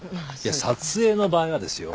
撮影の場合はですよ